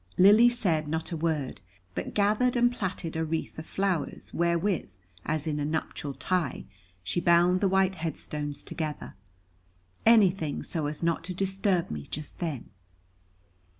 Lily said not a word, but gathered and plaited a wreath of flowers, wherewith, as in a nuptial tie, she bound the white headstones together anything so as not to disturb me just then.